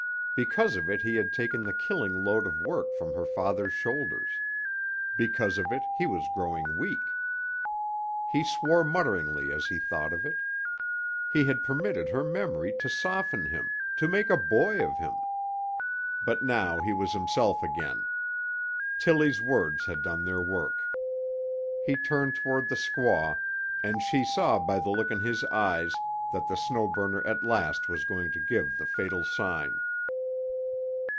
Because of it he had taken the killing load of work from her father's shoulders; because of it he was growing weak. He swore mutteringly as he thought of it. He had permitted her memory to soften him, to make a boy of him. But now he was himself again. Tillie's words had done their work. He turned toward the squaw, and she saw by the look in his eyes that the Snow Burner at last was going to give the fatal sign.